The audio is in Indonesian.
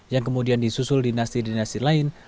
yang kemudian disusul dinasti dinasti lain